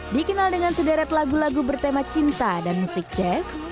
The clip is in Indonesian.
dikenal dengan sederet lagu lagu bertema cinta dan musik jazz